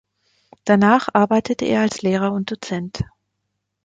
Danach arbeitete er als Lehrer und Dozent.